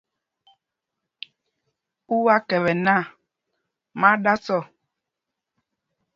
U wá kɛpɛ nak, má á ɗǎs ɔ.